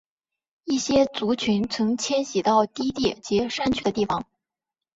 一些族群曾迁徙到低地及山区的地方。